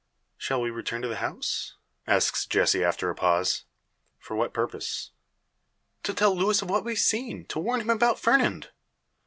"Shall we return into the house?" asks Jessie, after a pause. "For what purpose?" "To tell Luis of what we've seen; to warn him about Fernand."